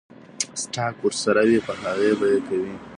سټاک ورسره وي پۀ هغې به يې کوي ـ